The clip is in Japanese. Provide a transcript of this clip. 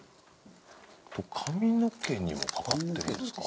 髪の毛にもかかってるんですか？